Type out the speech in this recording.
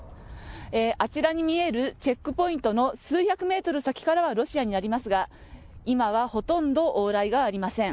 あちらに見えるチェックポイントの数百メートル先からはロシアになりますが、今はほとんど往来がありません。